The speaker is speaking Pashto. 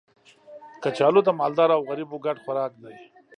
کچالو د مالدارو او غریبو ګډ خوراک دی